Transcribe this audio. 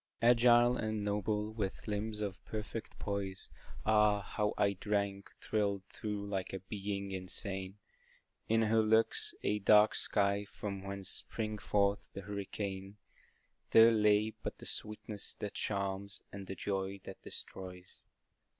Agile and noble, with limbs of perfect poise, Ah, how I drank, thrilled through like a Being insane, In her look, a dark sky, from whence springs forth the hurricane, There lay but the sweetness that charms, and the joy that destroys.